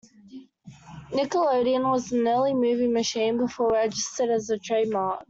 "Nickelodeon" was an early movie machine before registered as a trademark.